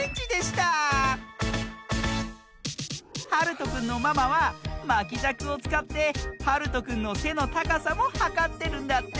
はるとくんのママはまきじゃくをつかってはるとくんのせのたかさもはかってるんだって。